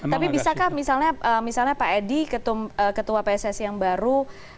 tapi bisakah misalnya pak edi ketua pssi yang baru